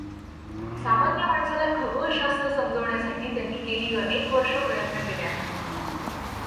सामान्य माणसाला खगोलशास्त्र समजवण्यासाठी त्यांनी गेली अनेक वर्षे प्रयत् न केले आहेत.